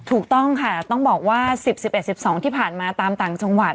ถูกต้องค่ะต้องบอกว่า๑๐๑๑๑๒ที่ผ่านมาตามต่างจังหวัด